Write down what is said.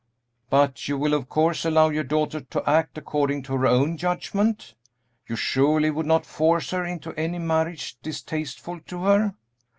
"But you will, of course, allow your daughter to act according to her own judgment? You surely would not force her into any marriage distasteful to her?"